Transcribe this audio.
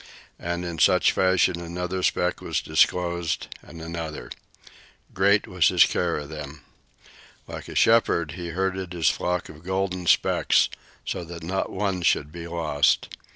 And in such fashion another speck was disclosed, and another. Great was his care of them. Like a shepherd he herded his flock of golden specks so that not one should be lost.